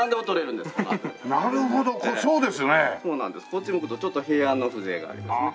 こっち向くとちょっと平安の風情がありますね。